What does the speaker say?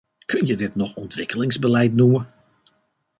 Kun je dit nog ontwikkelingsbeleid noemen?